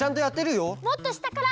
もっとしたから！